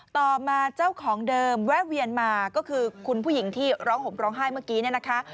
ต่อมาเจ้าของเดิมแวะเวียนมาก็คือคุณผู้หญิงที่ร้องห่มร้องไห้เมื่อกี้เนี่ยนะคะ